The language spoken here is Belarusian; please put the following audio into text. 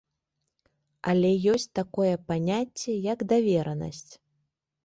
Але ёсць такое паняцце, як даверанасць.